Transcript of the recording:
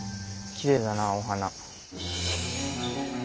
きれいだなお花。